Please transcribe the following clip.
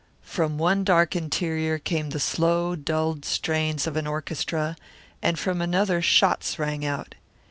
From one dark interior came the slow, dulled strains of an orchestra and from another shots rang out.